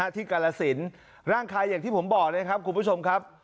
กาลสินร่างกายอย่างที่ผมบอกเลยครับคุณผู้ชมครับ